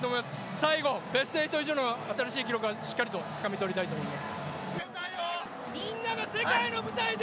最後、ベスト８以上の新しい記録をしっかりとつかみ取りたいと思います。